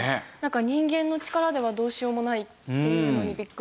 人間の力ではどうしようもないっていうのにビックリして。